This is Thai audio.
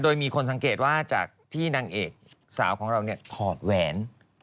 โดยมีคนสังเกตว่าจากที่นางเอกสาวของเราเนี่ยถอดแหวน